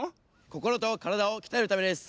こころとからだをきたえるためです！